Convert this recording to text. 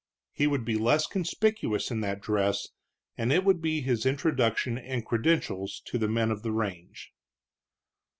He would be less conspicuous in that dress, and it would be his introduction and credentials to the men of the range.